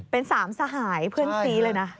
เป็นสามสหายเพื่อนซีเลยนะ